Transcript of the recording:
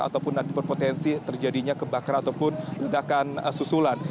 ataupun ada potensi terjadinya kebakar ataupun ledakan susulan